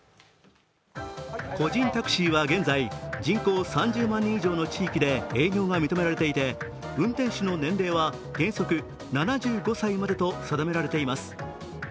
個人タクシーは現在、人口３０万人以上の地域で営業が認められていて運転手の年齢は原則７５歳までと定められています。